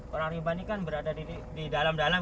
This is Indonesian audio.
orang riba ini kan berada di dalam dalam